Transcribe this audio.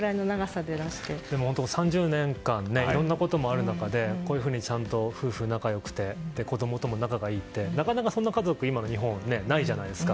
３０年間いろいろなこともある中でこういうふうにちゃんと夫婦仲よくて子供とも仲がいいってなかなか日本でそんな家族ってないじゃないですか。